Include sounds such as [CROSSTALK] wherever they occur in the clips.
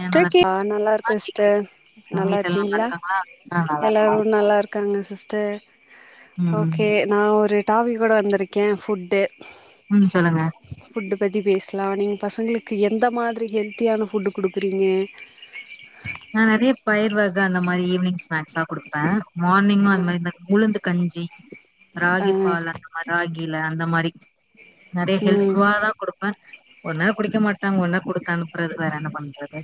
ஏ நல்லா ஸ்டெக்கி ஆ நல்லா இருக்கீங்களா இருக்க சிஸ்டர் கேக்குது உங்க நல்லா வீட்ல எல்லா இருக்கீங்ளா இருக்காங்களா ஆ நல்லா இருக் எல்லாரு நல்லாரு காங்க சிஸ்டர் ம் ஓகே நா ஒரு டாபிக்கோட வந்திருக்க ஃபுட்டு ம் சொல்லுங்க ஃபுட்டு பத்தி பேஸ்லா நீங் பசங்களுக்கு எந்த மாதிரி ஹெல்த்தியான ஃபுட்டு குடுக்குறீங்க நா நெறைய பயிர் வக அந்த மாரி ஈவ்னிங் ஸ்நேக்ஸா குடுப்ப மார்னிங்கு அது மாரிதா உளுந்து கஞ்சி ஆ ராகி பால அ ராகில அந்த மாரி நெறைய ம் ஹெல்த்துவானதா குடுப்ப ஒரு நேரோ குடிக்க மாட்டாங்க ஒன்னா குடுத்து அனுப்புறது வேற என்ன பண்றது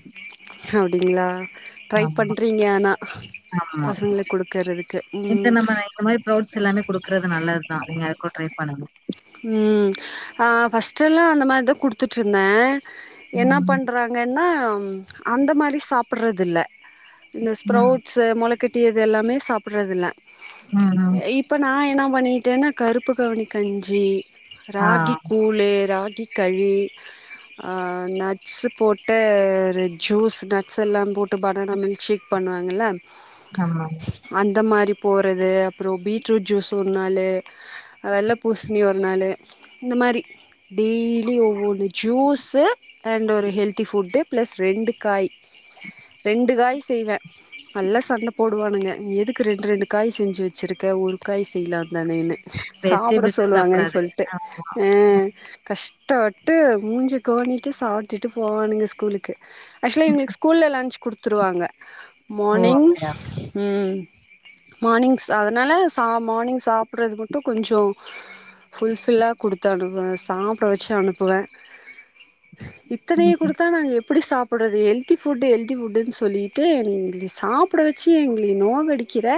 அப்டிங்ளா ட்ரை ஆமா பண்றீங்க ஆனா ஆமா பசங்ளுக் குடுக்குறது இப்ப நம்ம இந்த மாரி ப்ரோட்ஸ் எல்லாமே குடுக்குறது நல்லதா நீங்க எதுக்கு ட்ரை பண்ணுங்க ம் அ ஃபஸ்ட்டெல்லா அந்த மாரிதா குடுத்துட்ருந்த என்ன ம் பண்றா ங்கனா அந்த மாரி சாப்புறதில்ல இந்த ஸ்ப்ரௌ ம் ஸு மொளக்கட்டியது எல்லாமே சாப்புறதில்ல ம் ம் இப் ப நா என்ன பண்ணிட்டேனா கருப்புகவுனி கஞ்சி ஆ ராகி கூ ழு ராகி களி ஆ நட்ஸு போட்ட ஒரு ஜூஸ் நட்ஸ் எல்லா போட் டுபண்ணனு மில்க் சேக் பண்ணுவாங்கல ஆமாங்க அந்த மாரி போறது அப்புறோ பீட்ரூட் ஜூஸ் ஒரு நாளு அதெல்லா மே ஒரு நாளு இந்த மாரி டெய்லி ஒவ்வொரு ஜூஸு அன்ட் ஒரு ஹெல்த்தி ஃபுட்டு ப்ளஸ் ரெண்டு காய் ரெண்டு காய் செய்வ நல்லா சண்ட போடுவானுங்க எதுக்கு ரெண்டு ரெண்டு காய் செஞ்சு வச்சிருக்க ஒரு காய் செய்லாம்லனேனு சாப்புட வெஜிடபிள்ஸு சொல்லுவாங்கன் சாப்டாது சொல்ட்டு ஆமா அ கஷ் ட்டபட்டு மூஞ்ச கோணிட்டு சாப்ட்டுட்டு போவானுங்க ஸ்கூலுக்கு ஆக்சுலா எங்ளுக்கு ஸ்கூல்ல லன்ச் குடுத்துருவாங்க ஓ மானிங் அப்டியா ம் மார்னிங்ஸ் அதனால சா மார்னிங் சாப்புட்றது மட்டு கொஞ்சோ ஃபுல்ஃபில்லா குடுத்து அனுப்புவ சாப்புட வச்சு அனுப்புவ இத்தனய ம் குடுத்தா நாங்க எப்டி சாப் ஃபுட்றது ஹெல்தி ஃபுட்டு ஹெல்தி ஃபுட்டுன் சொல்லிட்டு எங்கள சாப்புட வச்சு எங்கள நோகடிக்கிற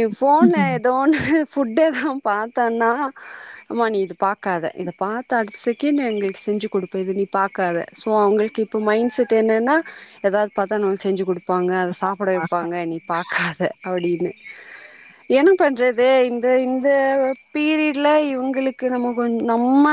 எ ஃபோன்ல ம் எதோ ஒன்னு ஃபுட் எதுனா பாத்தனா அம்மா நீ இது பாக்காத இத பாத்த அடுத்த செகண்டு எங்களுக்கு செஞ்சு குடுப்ப இது நீ பாக்காத சோ அவுங்களுக்கு இப்ப மைண்ட் செட் என்னனா எதாவது பாத்தா நமக்கு செஞ்சு குடுப்பாங்க அத சாப்ட ஆ வப்பாங்க நீ பாக் காத அப்டின்னு என்ன பண்றது இந்த இந் த பீரியட்ல இவுங்களுக்கு நம்ம கொஞ் நம்ம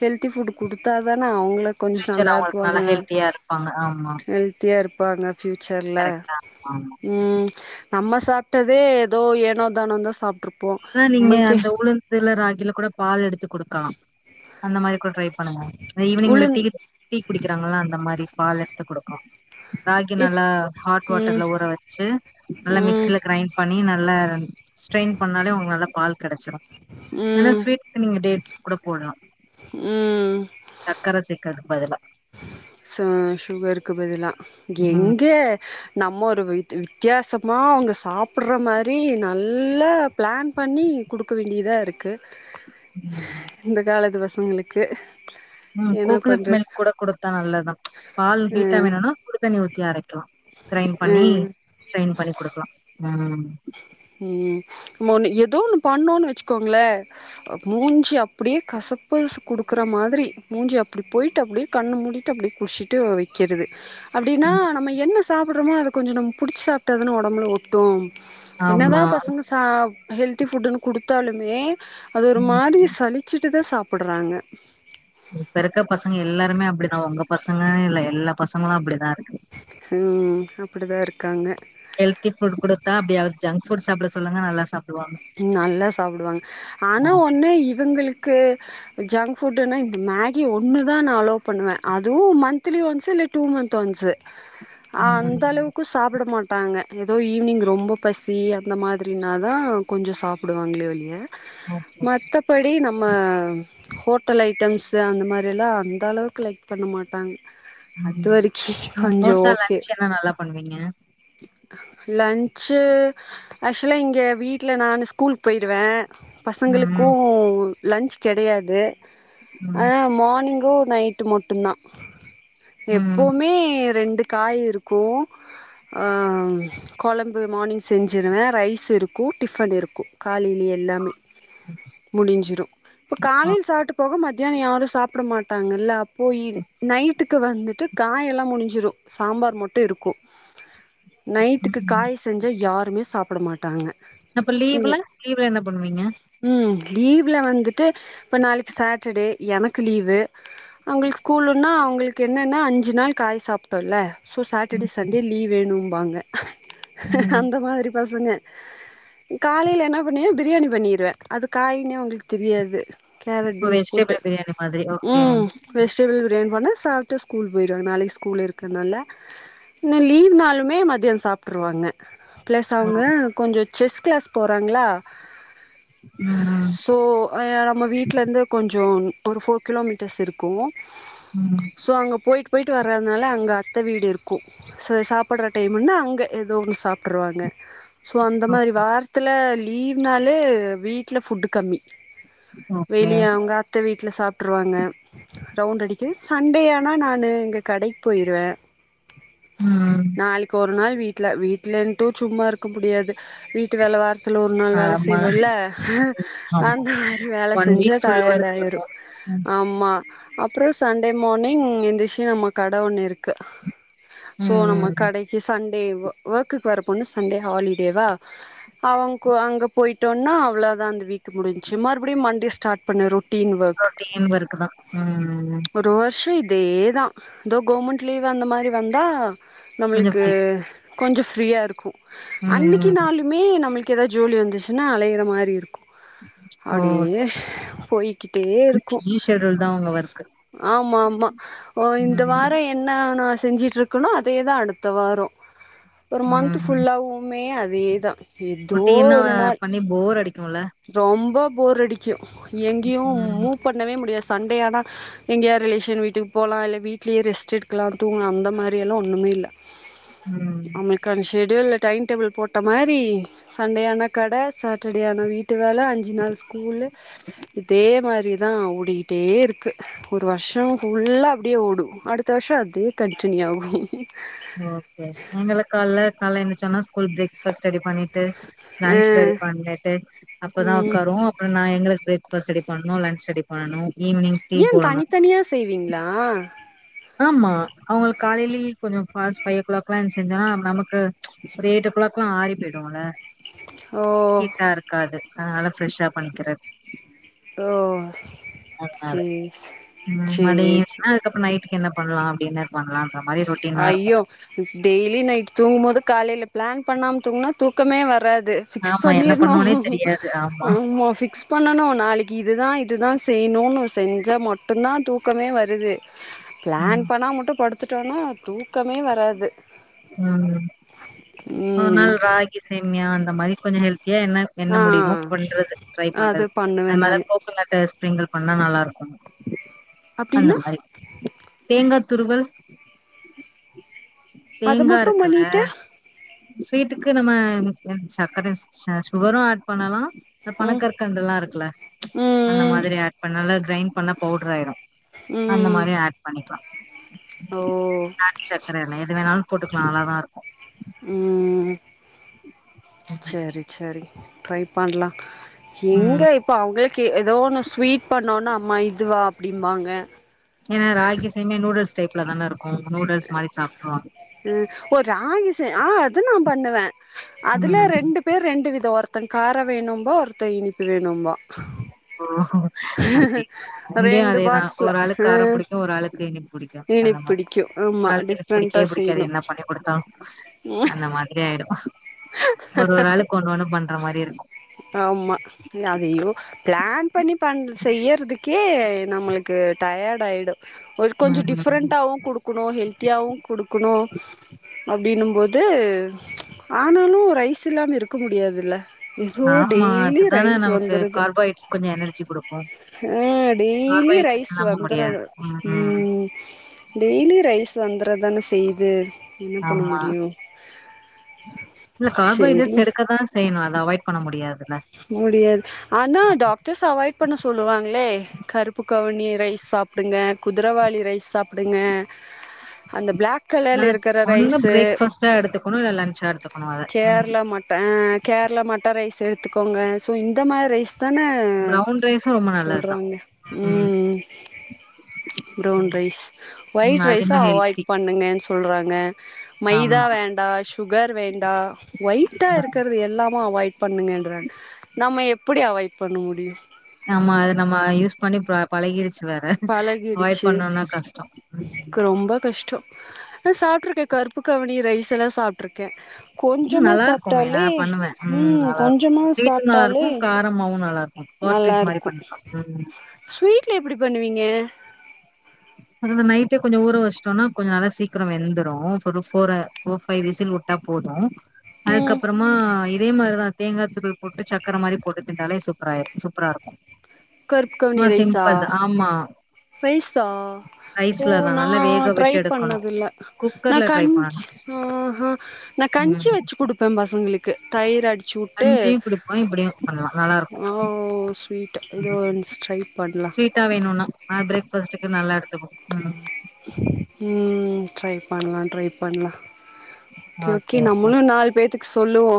ஹெல்தி ஃபுட் குடுத்தா தான அவங்களு கொஞ்சோ ஃபியூச்சர் அவங்களுக்கு நல்லா நல்லாருப்பாங்க ஹெல்த்தியா இருப்பாங்க ஆமா ஹெல்தியா இருப்பாங்க ஃப்யூச்சர்ல கரெக்டா ஆமா ம் நம்ம சாப்ட்டதே எதோ ஏனோ தானோன்தா சாப்ட்ருப்போ ஏன்னா நீங்க நம்மளுக்கே அந்த உளுந்துல ராகில கூட பால் எடுத்து குடுக்கலா அந்த மாரி கூட ட்ரை பண் ஈவினிங்ல உளுந் டீ டீ குடிக்கிறாங்கள அந்த மாரி பால் எடுத்து குடுக்லா ராகி இப் நல்லா ஹாட் ம் வாட்டர்ல்ல ஊற வச் ச்சு நல்லா ம் மிக்சில கிரைண்ட் பண்ணி நல்லா ஸ்ட்ரெயின் பண்ணாலே உங்களுக்கு நல்லா பால் கெடச்சிரு ஆனா ம் ஸ்வீட்கு நீங்க டேட்ஸ் கூட போட்லா ம் சர்க்கர சேக்குறதுக்கு பதிலா சோ சுகருக்கு பதிலா ம் எங்க நம்ம ஒரு வித் வித்தியாசமா அவுங்க சாப்பிட்ற மாரி நல்லா பிளான் பண்ணி குடுக்க வேண்டியதாஇருக்கு ம் இந்த காலத்து பசங்களுக்கு ம் என்ன கோக்கனட் பண்றது மில்க் கூட குடு தா நல்லதுதா பால் அ ஹீட்டா வேணுனா சுடு தண்ணி ஊத்தி அரைக்லா கிரைண்ட் பண்ணி அ ஸ்ட்ரெயின் பண்ணி குடுக்லா ம் ம் எதோ ஒன்னு பண்ணோன் வச்சுக்கோங்ளே மூஞ்சி அப்டியே கசப்பசு குடுக்குற மாதிரி மூஞ்சி அப்டி போய்ட்டு அப்டி கண்ணு மூடிட்டு அப்டியே குட்ச்சிட்டு வக்கிறது அப்டின்னா நம்ம என்ன சாப்டுறமோ அத கொஞ்சோ நம்ம புடிச்சு சாப்ட்டதான ஒடம்புல ஒட்டு என்னதா ஆமா பசங்க ச ஹெல்த்தி ஃபுட்ன்னு குடுத்தாலுமே அது ஒரு ம் மாரி சளி ச்சிட்டு தா சாப்புட்றாங்க இப்ப இருக்க பசங்க எல்லாருமே அப்டிதா உங்க பசங்க இல்ல எல்லா பசங்களு அப்டிதா இருக்கு ம் அப்டிதா இருக்காங்க ஹெல்தி ஃபுட் குடுத்தா அப்டியாது ஜங்க்ஃபுட் சாப்ட சொல்லுங்க நல்லா சாப்டுவாங்க நல்லா சாப்டுவாங்க ஆனா ம் ஒன்னு இவங்களுக்கு ஜங்க் ஃபுட்டுனா இந்த மேகி ஒன்னுதா நா அலோவ் பண்ணுவ அதுவு மந்த்லி ஒன்ஸு இல்ல டூ மந்த் ஒன்ஸு ஆ அந்தளவுக் கு சாப்ட மாட்டாங்க எதோ ஈவினிங் ரொம்ப பசி அந்த மாதிரினாதா கொஞ்சோ சாப்டுவாங்களே ஒழிய ஓகே ஓகே. மத்தபடி நம்ம ஹோட்டல் ஐட்டம்ஸ் அந்த மாரில்லா அந்த அளவுக்கு லைக் பண்ண மாட்டாங்க ம் அதுவரைக்கி ம் கொஞ்சோ மோஸ்டா ஓகே லன்ச் என்ன நல்லா பண்ணுவீங்க லன்ச்சு ஆக்சுவலா இங்க வீட் வீட்ல நானு ஸ்கூல் போய்டுவ பசங்களுக்கு ம் லன்ச் கெடையாது ஆ ம் மார்னிங்கு நைட்டு மட்டுதா ம் ம் எப்பமே ரெண்டு காய் இருக்கு ஆ கொழம்பு மார்னிங் செஞ்சுருவே ரைஸ் இருக்கும் டிஃபன் இருக்கும் காலையில எல்லாமே முடிஞ்சிரும் இப்போ ஓ காலையில் சாப்பிட்டு போக மத் தியானாம் யாரும் சாப்பிட மாட்டாங்கல்ல அப்போ நைட்டு க்கு வந்துட்டு காயெல்லா முடிஞ்சிடும் சாம்பார் மட்டும் இருக்கும் நைட்டுக்கு ம் காய் செஞ்சா யாருமே சாப்புட மாட்டாங்க அப்ப லீவ்ல லீவ்ல என்ன பண்ணுவீங்க உம் லீவ்ல வந்துட்டு இப்ப நாளைக்கு சாட்டர்டே எனக்கு லீவு அவங்களுக்கு ஸ்கூல்ன்னா அவங்களுக்கு என்னன்னா அஞ்சு நாள் காய் சாப்ட் டோல்ல ஸோ சாட்டர்டே ம் சண்டே லீவ் வேணும்பாங்க ம். அந்த மாதிரி பசங்க காலையில என்ன பண்ணுவே பிரியாணி பண்ணிருவே அது காயின்னே அவங்களுக்கு தெரியாது கேரட் ஓ பீன்ஸ் போட்டு வெஜிடபிள் பிரியாணி மாதிரி. ஓகே. உம் வெஜிடபிள் பிரியாணி பண்ணா சாப்ட்டு ஸ்கூல் போயிருவாங்க நாளைக்கு ஸ்கூல் இருக்குற நால இங்க லீவு நாளுமே மதியம் சாப்ட்ருவாங்க ப்ளஸ் ஓ. அவங்க கொஞ்சோ செஸ் கிளாஸ் போறாங்ளா உம் உம் தோ ஏ நம்ம வீட்லருந்து கொஞ்சோ ஒரு ஃபோர் கிலோமீட்டர்ஸ் இருக்கும் உம் ஸோ அங்க போயிட்டு போயிட்டு வர்றதுனால அங்க அத்தை வீடு இருக்கும் சோ சாப்பிட்ற டைமுன்னா அங்க ஏதோ ஒன்னு சாப்ட்ருவாங்க சோ அந்த மாறி வாரத்துல லீவ்னாலே வீட்டுல ஃபுட் கம்மி ஓகே, ஓகே. வெளிய அவங்க அத்தை வீட்ல சாப்ட்ருவாங்க ரவுண்ட் அடிக்குது சண்டே ஆனா நானு இங்க கடைக்கு போயிருவே ம். நாளைக்கு ஒரு நாள் வீட்ல வீட்ல இன்ட்டும் சும்மா இருக்க முடியாது வீட் டு வேல வேற துல ஒரு நாள் வேலை ஆமா, செய்வோல்ல ஆமா. அந்த மாறி வேலை செஞ்சா வீக் ஃபுல் டயர்ட் ஒர்க் ஆயிடும் இருக்கும். ம். ஹ [INAUDIBLE] ஆமா அப்றோ சண்டே மார்னிங் எந்திரிச்சு நம்ம கடை ஒண்ணு இருக்கு சோ ம். நம்ம ம். கடைக்கு சண்டே ஒர்க்குக்கு வர பொண்ணு சண்டே ஹாலிடேவா அவங் அங்க போயிட்டோனா அவ்ளோதா அந்த வீக்கு முடிஞ்ச்சு மறுபடியு மண்டே ஸ்டார்ட் பண்ணிரு routine work routine work தான். ம். ம். ஒரு வருஷம் இ தே தா தோ கவுர்மெண்ட் லீவ் அந்த மாறி வந்தா கொஞ்சம் நம்மளுக்கு ஃப்ரீ. கொஞ்சோ ஃப்ரீயா இருக்கும் ம். அன்னைக்கி ம். நாளுமே ந ம்மளுக்கு ஏதோ ஜோலி வந்துச்சுன்னா அலையிற மாறி இருக்கும் ஓ! அப்டியே சரி. போய்கிட்டே கொஞ்சம் இருக்கும் பிஸி ஷெட்யூல் தான் உங்க ஒர்க். ஆமா ஆமா ஓ இந்த ம். வாரம் என்னா நா செஞ்சுட்டு இருக்கனோ அதேதா அடுத்த வாரோ ஒரு மந்த் ம். ஃபுல்லாவுமே அதேதா ஏதோ ரொட்டீனா ஒரு நாள் பண்ணி போர் அடிக்கும்ல? ரொம்ப போர் அடிக்கும் எங்கையு ம். மூவ் பண்ணவே முடியாது சண்டே ஆனா எங்கயா ரிலேஷன் வீட்டுக்கு போலா இல்ல வீட்லியே ரெஸ்ட் எடுக்கலா தூங்கலா அந்த மாறியெல்லா ஒன்னுமே இல்ல ம். அவுங்களுக்கு அந்த ஷெடியூல்ல டைம் டேபிள் போட்ட மாறி சண்டே ஆனா கட சாட்டர்டே ஆனா வீட்டு வேல அஞ்சு நாள் ஸ்கூல்லு இதே மாறிதா ஓடிட்டே இருக்கு ஒரு வர்ஷோ ஃபுல்லா அப்டியே ஓடும் அடுத்த வருஷம் அதே கண்டினியூ ஆகும் ஓகே ஓகே நீங்கல்லா கால்ல கால்ல எந்திரிச்ச உட்னே ஸ்கூல் பிரேக்ஃபாஸ்ட் ரெடி பண்ணிட் டு ஆ லன்ச் ரெடி பண்ணிட்டு அப்பதா ம் உக்காருவோ அப்புறோ நா எங்களுக்கு பிரேக்ஃபாஸ்ட் ரெடி பண்ணனும் லன்ச் ரெடி பண்ணனும் ஈவ்னிங் ஏ தனித்தனியா செய்வீங்ளா ஆமா அவங்களுக்கு காலைலியே கொஞ்சோ ஃபாஸ்ட் ஃபைவ் ஓ கிளாக்லா எஞ்சி செஞ்சோன்னா நமக்கு ஒரு எயிட் ஓ கிளாக்லா ஆறிப்போயிடுல ஓ ஹீட்டா இருக்காது அதனால ஃப்ரெஷ்ஷா பண்ணிக்கிறது ஓ அதனால சேரி ம் சேரி மறுடியு சேரி ஈவ்னிங்னா அதுக்கப்பறோ நைட்டுக்கு என்ன பண்ணலா டின்னர் பண்லா ஐய்யோ டெய்லி நைட் தூங்கும் போது காலைல பிளான் பண்ணாம தூங்குனா தூக்கமே வராது ஃபிக்ஸ் ஆமா என்ன பண்ணிர்றணு பண்ணுனே தெரியாது ஆமா ஃபிக்ஸ் பண்ணணு நாளைக்கு இதுதா இதுதா செய்ணுன்னு செஞ்சா மட்டுந்தா தூக்கமே வருது பிளான் ம் பண்ணாம மட்டு படுத்துட்டோனா தூக்கமே வராது ம் ஒரு நாள் ம் ராகி சேமியா அந்த மாரி கொஞ்ச ஹெல்த்தியா என்ன என்ன ஆ முடியுமோ பண்றது ட்ரை அது பண்றது பண்ணுவே அந் மேல நானு கோக் கனட்ட ஸ்ப்ரிங்கில் பண்ணா நல்லாருக்கு அந்த அப்டின்னா மாரி தேங்கா துருவல் அத தேங்கா மட்டு இருக்குல்ல பண்ணிட்டு ஸ்வீட்டுக்கு நம்ம அ சக்கர ச சுகரு ஆட் பண்ணலா இந்த ம் பனக்கற்க் கண்டுலா இருக்குல அந்த ம் மாரி ஆட் பண்ணாலு கிரைண்ட் பண்ணா பவுட்ராயிரு அந்த ம் ம் மாரி ஆட் பண்ணிக்கலா ஓ க்குறலே எது வேணாலு போட்டுக்கலா நல்லாதா இருக்கு ம் ம் செரி செரி ட்ரை பண்லா எங்க ம். இப்ப அவங்களுக்கு எதோ ஒன்னு ஸ்வீட் பண்ணோனா அம்மா இதுவா அப்டிம்பாங்க ஏனா ராகி சேமியா நூடுல்ஸ் டைப்ல தானருக்கு நூடுல்ஸ் மாரி சாப்ட்ருவாங்க ம் ஓ ராகி சே ஆ அது நா பண்ணுவே அதுலே ம் ரெண்டு பேர் ரெண்டு விதொ ஒருத்தன் கார வேணும்பா ஒருத்தன் இனிப்பு வேணும்பா ஓ அப்டிங்களா இங்கயு ரெண்டு அதேதா பாக்ஸ்ல ஒரு ஆளுக் ஆ கார புடிக்கு ஒரு ஆளுக்கு இனிப்பு புடிக்கு அந்த இனிப் மாரி பிடிக்கு ஒரு ஆமா ஆளுக்கு இனிப் டிஃப்ரெண்டா புடிக்கவே புடிக்காது செய்யணு என்னா பண்ணிக்குடுத்தாலு அந்த மாதிரி ஆயிடு ஒரு ஒரு ஆளுக்கு ஒன்னொன்னு பண்ற மாரியிருக்கு ஆமா இல்ல அத யோ பிளான் பண்ணி பண் செய்யறதுக்கே நம்மளுக்கு டயர்டாயிடு ஒரு கொஞ்சொ ம். டிஃப்ரெண்டாவு குடுக் குனு ஹெல்த்தியாவு குடுக்குனு அப்டின்னும்போது ஆனாலு ரைஸ் இல்லாம இருக்க முடியாதுல்ல ஏதோ ஆமா டெய்லி அதுதானே ரைஸ் நமக்கு வந்துருது கார்போஹைட் கொஞ்சொ எனர்ஜி குடுக்கு ஆ டெய்லி ரைஸ் வந்துறது ம் டெய்லி ரைஸ் வந்துற தான செய்து என்ன பண்ண ஆமா. முடியு இல்ல சேரி கார்போஹைட்ரேட்ஸ் எடுக்கதா செய்ணு அத அவாய்ட் பண்ண முடியாதுல்ல முடியாது ஆனா டாக்டர்ஸ் அவாய்ட் பண்ண சொல்லுவாங்களே கருப்பு கவுனி ரைஸ் சாப்டுங்க குதிரவாலி ரைஸ் சாப்டுங்க அந்த பிளாக் கலர்ல அதனால இருக்குற ஒண்ணு ரைஸு பிரேக்ஃபாஸ்ட்டா எடுத்துக்கணும், இல்ல லன்ச்சா எடுத்துக்கணும் அத. ம். கேரளா மட்ட அ கேரளா மட்ட ரைஸ் எடுத்துக்கோங்க சோ இந்த மார் ரைஸ் தான ப்ரவுன் ரைஸும் ரொம்ப நல்லது தான். சொல்றாங்க ம் பிரவுன் ரைஸ் ம். ஒயிட் அது ரைஸா இன்னும் அவாய்ட் ஹெல்த்தி. பண்ணுங்கன் சொ சொல்றாங்க ஆமா. மைதா வேண்டா சு சுகர் வேண்டா ஒயிட்டா இருக்கறது எல்லாமு அவாய்ட் பண்ணுங்க அ நம்ம எப்புடி அவாய்ட் பண்ண முடியு ஆமா கண் அது நம்ம யூஸ் பண்ணி ப பழகிருச்சு வேற அவாய்ட் பழகிடுச்சு பண்ணுனா கஷ்ட ரொம்ப கஷ்டோ ஏ சாப்ட்ருக்கே கருப்பு கவுணி ரைஸ் எல்லா சாப்ட்ருக்கே கொஞ்சமா நல்லாருக்குமே! சாப்ட்டாலே நான் பண்ணுவேன். ம் கொஞ்சமா சாப்ட்டாலே ரொம்பவு நல்லாருக்கு நல்லா போர்ட்ரிஜ் மாரி இருக்கு பண்ணிக்கலா ம் ம் ஸ்வீட்ல எப்டி பண்ணுவீங்க அத இந்த நைட்டே கொஞ்ச ஊர வச்சுடோனா கொஞ்ச நல்லா சீக்கிர வெந்துரு ஒரு ஃபோர ஃபோர் ஃபைவ் விசில் வுட் ட்டா போது ம் அதுக்கப்பறமா இதே மாரிதா தேங்கா துருவல் போட்டு சக்கர மாரி போட்டு தின்டாலே சூப் பரா சூப்பரா இருக்கு கருப்பு சும்மா சிம்பிள் தா ஆமா பிரைஸா ஓ ரைஸ்ல தான் நா நல்லா வேக ட்ரை விட்டு எடுக்கணும். பண்ணதில்ல நா குக்கர்ல ட்ரை கஞ்ச் பண்ணணும். ஆ ஹ நா கஞ்சி ம். வெச்சு குடுப்பே பசங்களுக்கு தயிர் அடி சுட்டு கஞ்சியும் குடிப்போம், இப்படியும் பண்ணலாம். நல்லாருக்கும். ஆவ்ஸ் ட்ரீட்டு இது ஒன்ஸ் ட்ரை பண்லா குயிக்கா வேணுனா ஆ பிரேக்ஃபாஸ்டுக்கு நல்லா எடுத்துக்கு ம் ம் ட்ரை பண்லா ட்ரை பண்லா ஓகே ஓகே நம்மளு நாலு பேத்துக்கு சொல்லுவோ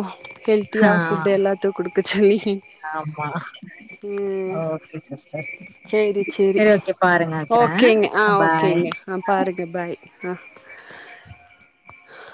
ஆ ஹெல்த்தியா ஃபுட் எல்லாத்துக்கு குடுக்க சொல்லி ஆமா ம் ஓகே சிஸ்டர்ஸ் சேரி சேரி செரி ஓகே பாருங்க வெக்கிறே ஓகேங்க ஆ அ பாய் ஓகேங்க ஆ பாருங்க பாய் ஆ